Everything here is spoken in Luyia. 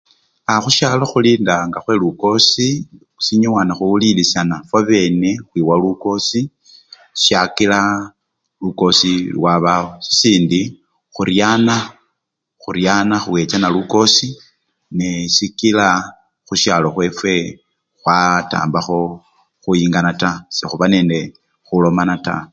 Aaa! khusyalo khulinda nga khwelukosi sinyowa nekhuwulilisyana fwabene khwiwa lukosi syakila lukosi lwabaawo sisindi, khuryana! khuryana khuwechana lukosi nee sikila khusyalo khwefwe khatambakho khuyingana taa, sekhuba nende khulomana taa.